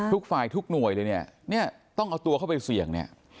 ทุกฝ่ายทุกหน่วยเลยเนี่ยต้องเอาตัวเข้าไปเสี่ยงเนี่ย